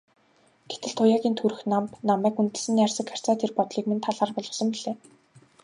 Гэтэл Туяагийн төрх намба, намайг хүндэлсэн найрсаг харьцаа тэр бодлыг минь талаар болгосон билээ.